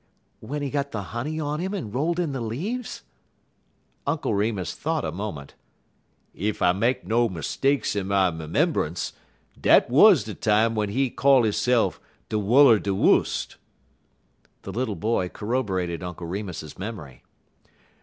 "When he got the honey on him and rolled in the leaves?" Uncle Remus thought a moment. "Ef I make no mistakes in my 'membunce, dat wuz de time w'en he call hisse'f de Wull er de Wust." The little boy corroborated Uncle Remus's memory.